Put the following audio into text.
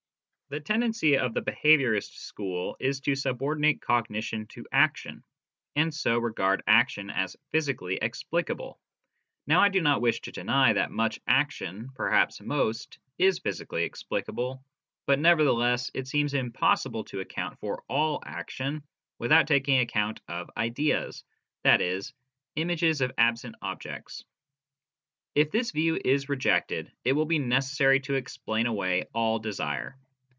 The tendency of the behaviourist school is to subordinate cognition to action, and so regard action as physically explicable. Now I do not wish to deny that much action, perhaps most, is physically explicable, but nevertheless it seems impossible to account for all action without taking account of " ideas," i.e., images of absent objects. 16 BERTRAND RUSSELL. If this view is rejected, it will be necessary to explain away all desire.